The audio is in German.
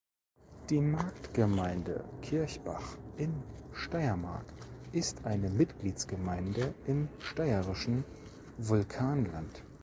Die Marktgemeinde Kirchbach in Steiermark ist eine Mitgliedsgemeinde im Steirischen Vulkanland.